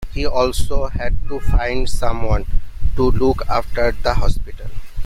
He also had to find someone to look after the Hospital.